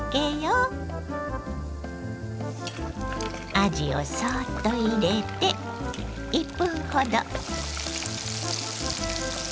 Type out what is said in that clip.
あじをそっと入れて１分ほど。